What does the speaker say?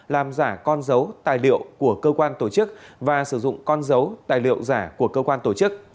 làm giả con dấu tài liệu của cơ quan tổ chức và sử dụng con dấu tài liệu giả của cơ quan tổ chức